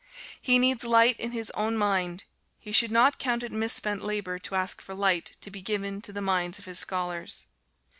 He needs light in his own mind; he should not count it misspent labor to ask for light to be given to the minds of his scholars.